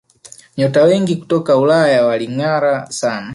nyota wengi kutoka Ulaya walingara sana